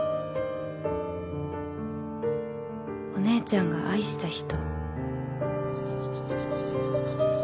お姉ちゃんが愛した人